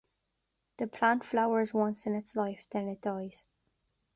The plant flowers once in its life, then it dies.